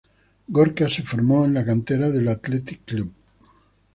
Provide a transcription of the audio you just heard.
Gorka se formó en la cantera del Athletic Club.